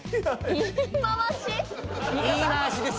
言い回しです。